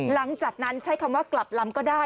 หลังจากนั้นใช้คำว่ากลับลำก็ได้